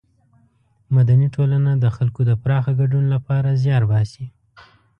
مدني ټولنه د خلکو د پراخه ګډون له پاره زیار باسي.